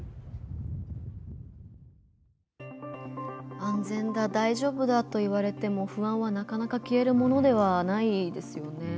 安全だ、大丈夫だと言われても不安はなかなか消えるものではないですよね。